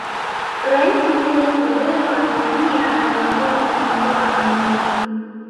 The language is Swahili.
Rais Julius Nyerere wa Tanzania aliamua kumwondoa Amin